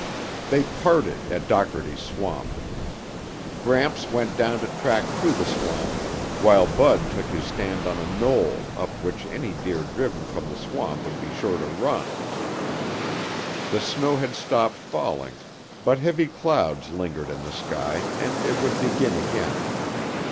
They parted at Dockerty's Swamp. Gramps went down to track through the swamp while Bud took his stand on a knoll up which any deer driven from the swamp would be sure to run. The snow had stopped falling, but heavy clouds lingered in the sky and it would begin again.